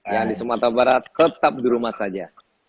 yang di sumatera barat tetap di rumah saja